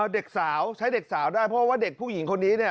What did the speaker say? เด็กสาวใช้เด็กสาวได้เพราะว่าเด็กผู้หญิงคนนี้เนี่ย